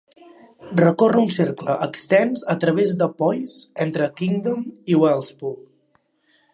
Recorre un cercle extens a través de Powys, entre Knighton i Welshpool.